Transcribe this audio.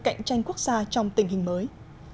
cạnh tranh quốc gia trong tình hình mới